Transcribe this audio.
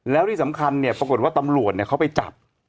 แล้วที่สำคัญเนี่ยปรากฏว่าตำรวจเขาไปจับ